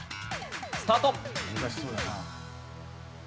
スタート。